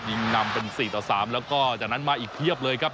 ยิงนำเป็น๔ต่อ๓แล้วก็จากนั้นมาอีกเพียบเลยครับ